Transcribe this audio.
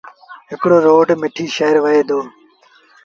هڪڙوروڊ مٺيٚ شآهر وهي دو۔